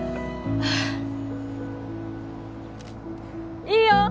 はあいいよ